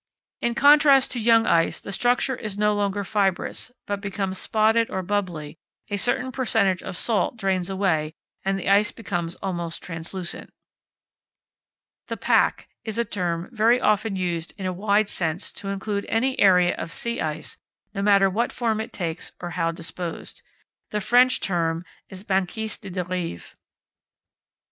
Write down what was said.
In contrast to young ice, the structure is no longer fibrous, but becomes spotted or bubbly, a certain percentage of salt drains away, and the ice becomes almost translucent. The Pack is a term very often used in a wide sense to include any area of sea ice, no matter what form it takes or how disposed. The French term is banquise de derive.